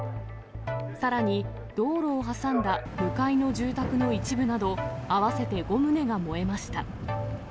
さらに、道路を挟んだ向かいの住宅の一部など、合わせて５棟が燃えました。